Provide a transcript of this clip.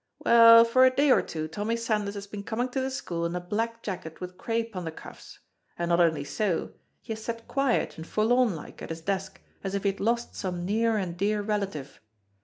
"Well, for a day or two Tommy Sandys has been coming to the school in a black jacket with crape on the cuffs, and not only so, he has sat quiet and forlorn like at his desk as if he had lost some near and dear relative.